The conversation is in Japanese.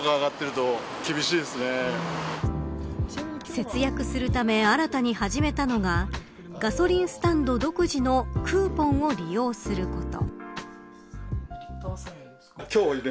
節約するため新たに始めたのがガソリンスタンド独自のクーポンを利用すること。